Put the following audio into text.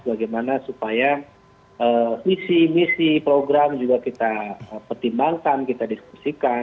bagaimana supaya visi misi program juga kita pertimbangkan kita diskusikan